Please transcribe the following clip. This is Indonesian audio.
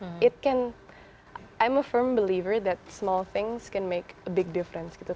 saya adalah pemikiran yang jelas bahwa hal kecil bisa membuat perbedaan besar